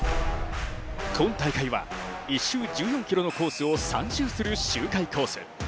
今大会は１周１４ｋｍコースを３周する周回コース。